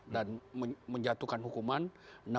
dan menjatuhkan hukuman